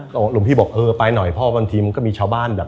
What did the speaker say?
ก็หลวงพี่บอกเออไปหน่อยพ่อบางทีมันก็มีชาวบ้านแบบ